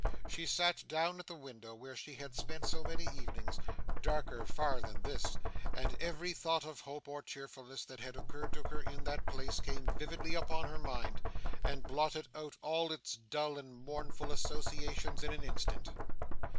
She sat down at the window where she had spent so many evenings darker far than this and every thought of hope or cheerfulness that had occurred to her in that place came vividly upon her mind, and blotted out all its dull and mournful associations in an instant.